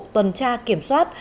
tuần tra kiểm soát